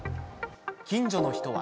近所の人は。